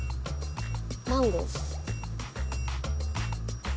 マンゴー。